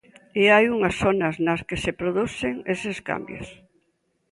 E hai unhas zonas nas que se producen eses cambios.